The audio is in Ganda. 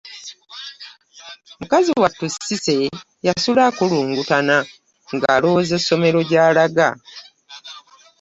Mukazi wattu Cissy yasula akulungutana ng'alowooza essomero gy'alaga.